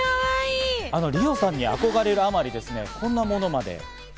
ＲＩＯさんに憧れるあまり、こんなものまで。